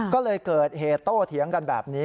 ก็เลยเกิดเหตุโตเถียงกันแบบนี้